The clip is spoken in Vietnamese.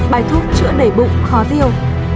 bài thuốc chữa đẩy bụng khó tiêu